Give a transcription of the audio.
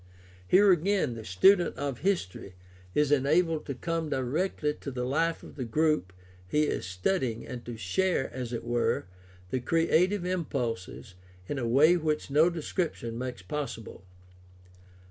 Here again the student of his tory is enabled to come directly to the life of the group he is studying and to share, as it were, the creative impulses in a way which no description makes possible.